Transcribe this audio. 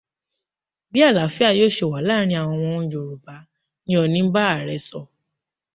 Bí àlááfíà yóò ṣe wà láàrin àwọn Yorùbá ni Ooni bá Ààrẹ sọ.